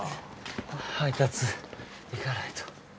配達行かないと。